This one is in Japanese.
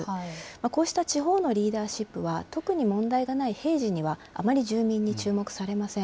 こうした地方のリーダーシップは、特に問題がない平時には、あまり住民に注目されません。